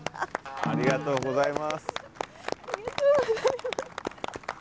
ありがとうございます。